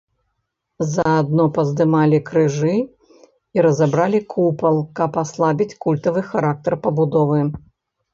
Заадно паздымалі крыжы і разабралі купал, каб аслабіць культавы характар пабудовы.